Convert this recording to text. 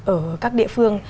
ở các địa phương